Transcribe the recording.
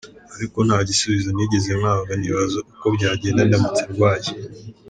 Ariko nta gisubizo nigeze mpabwa nibaza uko byagenda ndamutse ndwaye.